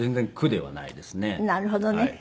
なるほどね。